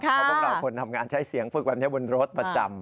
เพราะพวกเราคนทำงานใช้เสียงฝึกแบบนี้บนรถประจำ